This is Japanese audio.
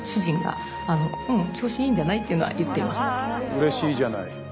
うれしいじゃない。